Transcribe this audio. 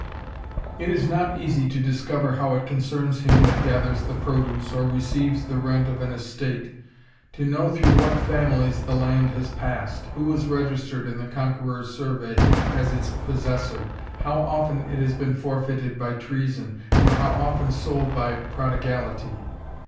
It is not easy to discover how it concerns him that gathers the produce, or receives the rent of an estate, to know through what families the land has passed, who is registered in the Conqueror's survey as its possessor, how often it has been forfeited by treason, or how often sold by prodigality.